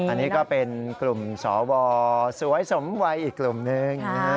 อันนี้ก็เป็นกลุ่มสวสวยสมวัยอีกกลุ่มนึง